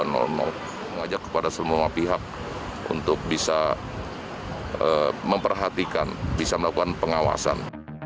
mengajak kepada semua pihak untuk bisa memperhatikan bisa melakukan pengawasan